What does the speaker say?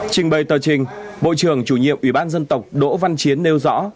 trình bày tờ trình bộ trưởng chủ nhiệm ủy ban dân tộc đỗ văn chiến nêu rõ